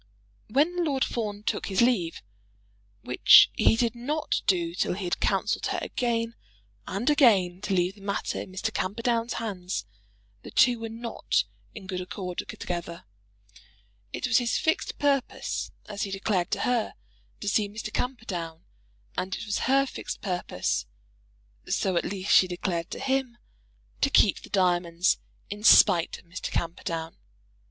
When Lord Fawn took his leave, which he did not do till he had counselled her again and again to leave the matter in Mr. Camperdown's hands, the two were not in good accord together. It was his fixed purpose, as he declared to her, to see Mr. Camperdown; and it was her fixed purpose, so, at least, she declared to him, to keep the diamonds, in spite of Mr. Camperdown.